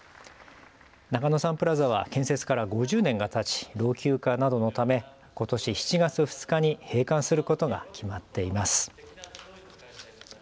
中野サンプラザは建設から５０年がたち老朽化などのためことし７月２日に閉館することが決まっています。